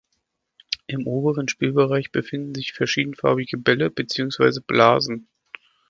Im oberen Spielbereich befinden sich verschiedenfarbige Bälle beziehungsweise Blasen.